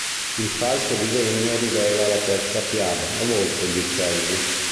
Il falso disegno rivela la terza fiaba: "La Volpe e gli uccelli".